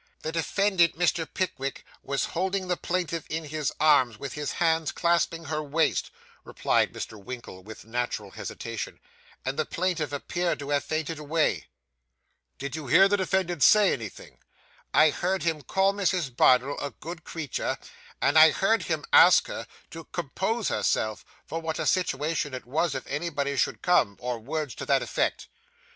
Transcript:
'The defendant, Mr. Pickwick, was holding the plaintiff in his arms, with his hands clasping her waist,' replied Mr. Winkle with natural hesitation, 'and the plaintiff appeared to have fainted away.' 'Did you hear the defendant say anything?' 'I heard him call Mrs. Bardell a good creature, and I heard him ask her to compose herself, for what a situation it was, if anybody should come, or words to that effect.